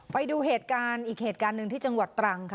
ไปดูอีกเหตุการณ์ที่จังหวัดตรัง